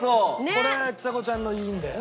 これちさ子ちゃんのいいんだよ。